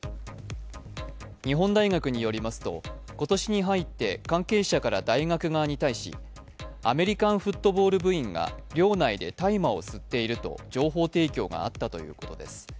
日本大学によりますと今年に入って関係者から大学側に対しアメリカンフットボール部員が寮内で大麻を吸っていると情報提供があったということです。